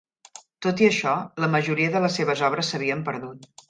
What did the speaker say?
Tot i això, la majoria de les seves obres s'havien perdut.